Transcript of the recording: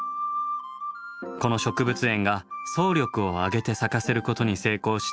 この植物園が総力を挙げて咲かせることに成功した花なんです。